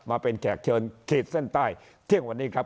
มาเป็นแขกเชิญขีดเส้นใต้เที่ยงวันนี้ครับ